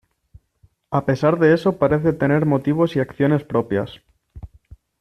A pesar de eso parece tener motivos y acciones propias.